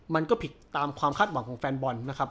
มันก็ผิดตามความคาดหวังของแฟนบอลนะครับ